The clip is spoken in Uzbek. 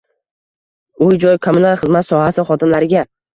uy-joy kommunal xizmat sohasi xodimlariga